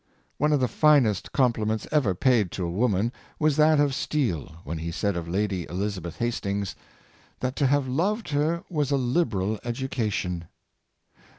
One of the finest compliments ever paid to a woman was that of Steele, when he said of Lady Elizabeth Hast ings, " that to have loved her was a liberal education."